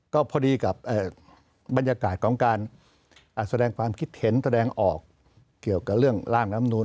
ก็พอดีกับบรรยากาศของการแสดงความคิดเห็นแสดงออกเกี่ยวกับเรื่องร่างลำนูน